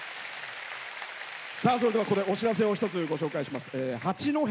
それでは、お知らせを一つ、ご紹介します。